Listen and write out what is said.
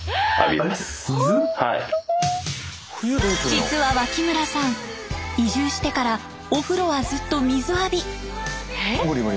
実は脇村さん移住してからお風呂はずっと水浴び。